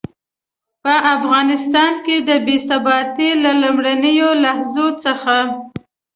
په افغانستان کې د بې ثباتۍ له لومړنيو لحظو څخه.